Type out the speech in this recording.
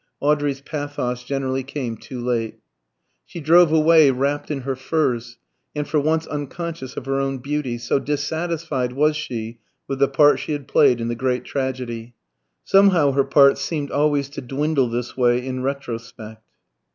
Audrey's pathos generally came too late. She drove away, wrapped in her furs, and for once unconscious of her own beauty, so dissatisfied was she with the part she had played in the great tragedy. Somehow her parts seemed always to dwindle this way in retrospect.